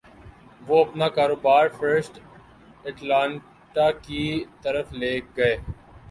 وہ اپنا کاروبار فرسٹ اٹلانٹا کی طرف لے گئی